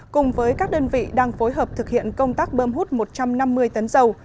cùng với các đơn vị đang phối hợp thực hiện công tác bơm hút một trăm năm mươi tấn dầu